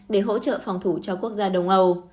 để hỗ trợ phòng thủ cho quốc gia đông âu